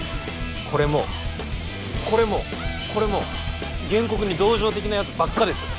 これもこれもこれも原告に同情的なやつばっかです